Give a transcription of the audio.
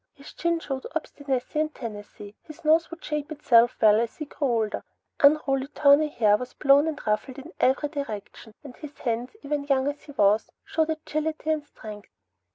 His chin showed obstinacy and tenacity; his nose would shape itself well as he grew older. Unruly tawny hair was blown and ruffled in every direction and his hands, even young as he was, showed ability and strength.